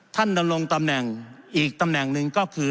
ดำรงตำแหน่งอีกตำแหน่งหนึ่งก็คือ